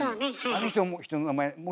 あの人の人の名前。